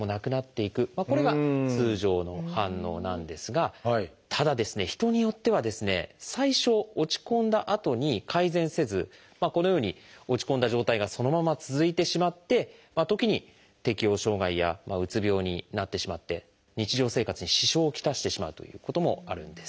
これが通常の反応なんですがただ人によってはですね最初落ち込んだあとに改善せずこのように落ち込んだ状態がそのまま続いてしまって時に適応障害やうつ病になってしまって日常生活に支障を来してしまうということもあるんです。